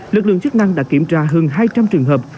lực lượng chức năng đã kiểm tra hơn hai trăm linh trường hợp